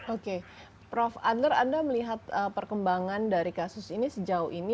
oke prof adler anda melihat perkembangan dari kasus ini sejauh ini